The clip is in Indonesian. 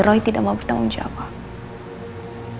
roy tidak mau bertanggung jawab